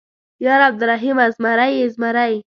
_ياره عبرالرحيمه ، زمری يې زمری.